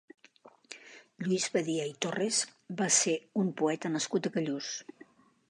Lluís Badia i Torras va ser un poeta nascut a Callús.